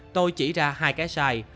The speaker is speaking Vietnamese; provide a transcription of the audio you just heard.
tôi chỉ ra hai cái sai